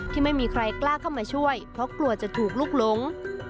ที่ไม่มีใครกล้าเข้ามาช่วยเพราะกลัวจะถูกลุกหลง